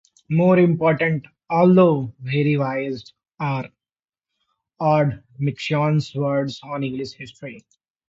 More important, although very biased, are Oldmixon's works on English history.